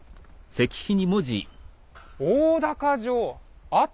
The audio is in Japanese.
「大高城跡」。